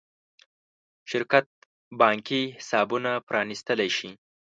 شرکت بانکي حسابونه پرانېستلی شي.